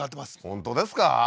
本当ですか？